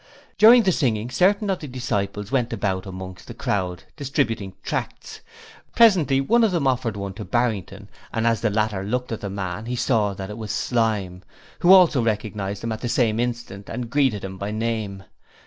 During the singing certain of the disciples went about amongst the crowd distributing tracts. Presently one of them offered one to Barrington and as the latter looked at the man he saw that it was Slyme, who also recognized him at the same instant and greeted him by name.